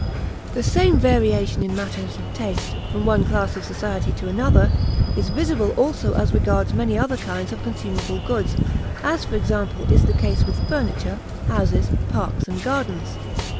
The same variation in matters of taste, from one class of society to another, is visible also as regards many other kinds of consumable goods, as, for example, is the case with furniture, houses, parks, and gardens.